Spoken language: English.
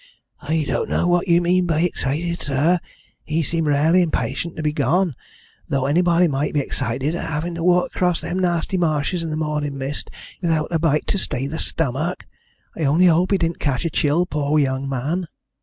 "I don't know what you mean by excited, sir. He seemed rarely impatient to be gone, though anybody might be excited at having to walk across them nasty marshes in the morning mist without a bite to stay the stomach. I only hope he didn't catch a chill, the poor young man."